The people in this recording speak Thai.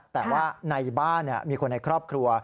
แต่ว่าในบ้านมีคนในครอบครัว